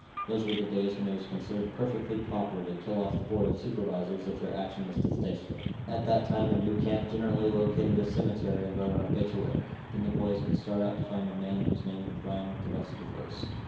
Those were the days when it was considered perfectly proper to kill off the board of supervisors if their action was distasteful. At that time a new camp generally located a cemetery and wrote an obituary; then the boys would start out to find a man whose name would rhyme with the rest of the verse.